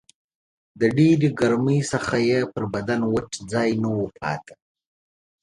د ډېرې ګرمۍ څخه یې پر بدن وچ ځای نه و پاته